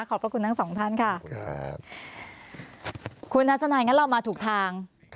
ขอบคุณทั้งสองท่านค่ะคุณนัสนัยงั้นเรามาถูกทาง